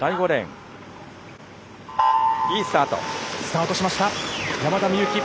スタートしました、山田美幸。